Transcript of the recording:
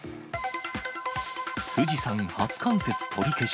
富士山初冠雪取り消し。